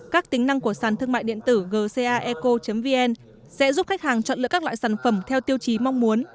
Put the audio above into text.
các tính năng của sàn thương mại điện tử gcaeco vn sẽ giúp khách hàng chọn lựa các loại sản phẩm theo tiêu chí mong muốn